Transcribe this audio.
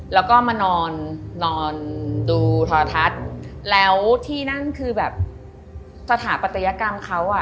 แล้วก็มานอนนอนดูทรทัศน์แล้วที่นั่นคือแบบสถาปัตยกรรมเขาอ่ะ